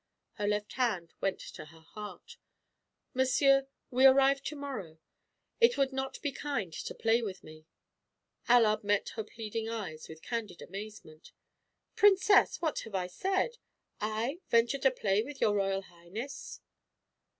Her left hand went to her heart. "Monsieur, we arrive to morrow; it would not be kind to play with me." Allard met her pleading eyes with candid amazement. "Princess, what have I said? I venture to play with your Royal Highness!"